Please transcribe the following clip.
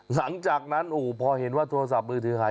หลังจากนั้นพอเห็นว่าโทรศัพท์มือถือหาย